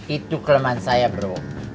itu kelemahan saya bro